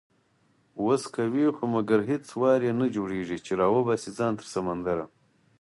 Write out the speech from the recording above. وس کوي خو مګر هیڅ وار یې نه جوړیږي، چې راوباسي ځان تر سمندره